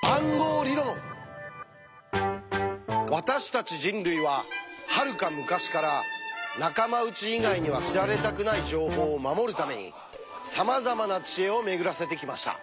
私たち人類ははるか昔から仲間内以外には知られたくない情報を守るためにさまざまな知恵を巡らせてきました。